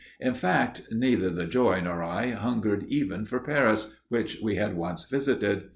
In fact, neither the Joy nor I hungered even for Paris, which we had once visited.